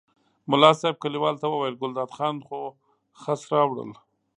ملا صاحب کلیوالو ته وویل ګلداد خان خو خس راوړل.